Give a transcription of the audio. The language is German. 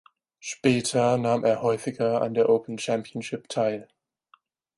Später nahm er häufiger an der Open Championship teil.